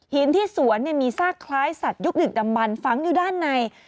หินที่สวนมีซากคล้ายสัตว์ยุบดึกดำมันฝังอยู่ด้านใน